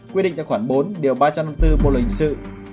quyết định đã khoảng bốn điều ba trăm năm mươi bốn bộ lợi hình sự